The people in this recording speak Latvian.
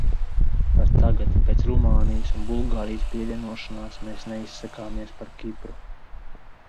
Pat tagad, pēc Rumānijas un Bulgārijas pievienošanās, mēs neizsakāmies par Kipru.